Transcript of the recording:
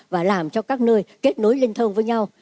và làm cho các nơi kết nối liên thông với nhau